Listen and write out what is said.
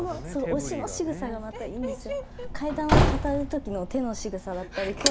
推しのしぐさがまたいいんですよ。